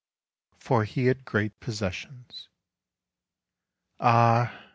FOR HE HAD GREAT POSSESSIONS AH